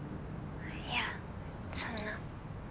いやそんな。